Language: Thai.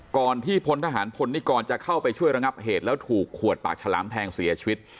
ก่อนที่พลทหารพลนิกรจะเข้าไปช่วยระงับเหตุแล้วถูกขวดปากฉลามแทงเสียชีวิต